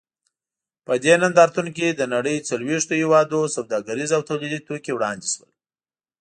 په دې نندارتون کې د نړۍ څلوېښتو هېوادونو سوداګریز او تولیدي توکي وړاندې شول.